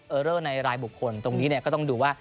เรอร์ในรายบุคคลตรงนี้ก็ต้องดูว่า